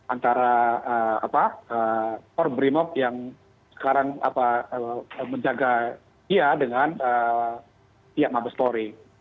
antara or brimob yang sekarang menjaga dia dengan pihak mabes polri